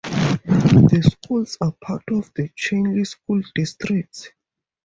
The schools are part of the Cheney School District.